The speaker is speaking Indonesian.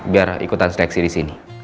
biar ikutan seteksi disini